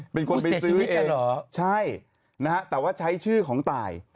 เป็นคนไปซื้อเองเหรอใช่นะฮะแต่ว่าใช้ชื่อของตาย